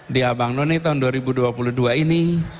di abang none tahun dua ribu dua puluh dua ini